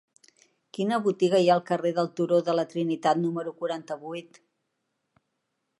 Quina botiga hi ha al carrer del Turó de la Trinitat número quaranta-vuit?